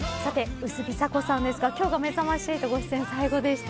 ウスビ・サコさんですが今日が、めざまし８ご出演最後でした。